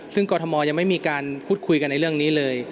ซึ่งกรทมยังไม่มีการพูดคุยกันในเรื่องนี้เลย